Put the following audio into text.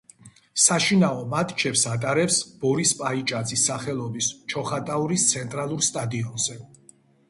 საშინაო მატჩებს ატარებს ბორის პაიჭაძის სახელობის ჩოხატაურის ცენტრალურ სტადიონზე.